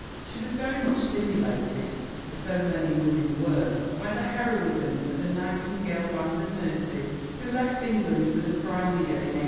She was very much stimulated, as so many women were, by the heroism of the Nightingale band of nurses who left England for the Crimea in 1854.